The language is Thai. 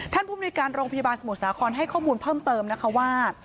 ภูมิในการโรงพยาบาลสมุทรสาครให้ข้อมูลเพิ่มเติมนะคะว่า